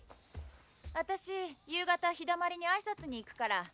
私夕方陽だまりに挨拶に行くから。